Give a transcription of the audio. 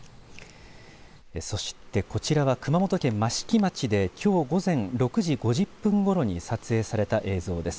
そしてこちらは熊本県益城町できょう午前６時５０分ごろに撮影された映像です。